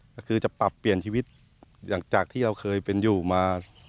ก็คือจะปรับเปลี่ยนชีวิตอย่างจากที่เราเคยเป็นอยู่มา